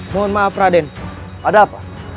mohon maaf raden ada apa